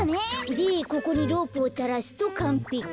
でここにロープをたらすとかんぺき。